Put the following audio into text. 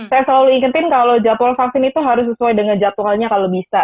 saya selalu ingetin kalau jadwal vaksin itu harus sesuai dengan jadwalnya kalau bisa